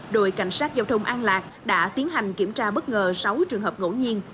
đội cảnh sát giao thông an lạc đã tiến hành kiểm tra bất ngờ sáu trường hợp ngẫu nhiên